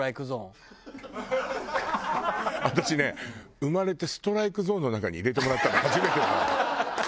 私ね生まれてストライクゾーンの中に入れてもらったの初めてだわ。